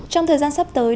trong thời gian sắp tới